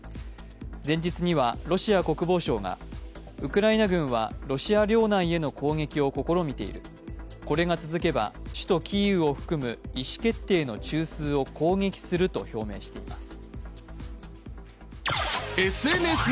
前日には、ロシア国防省がウクライナ軍はロシア領内への攻撃を試みている、これが続けば首都キーウを含む意思決定の中枢を攻撃するとしています。